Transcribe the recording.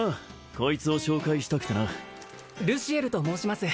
こいつを紹介したくてなルシエルと申します